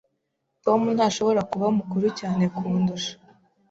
Tom ntashobora kuba mukuru cyane kundusha.